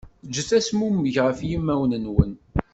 Ǧǧet azmummeg ɣef yimawen-nwen.